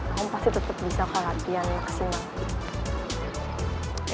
kamu pasti tetep bisa lakukan latihan maksimal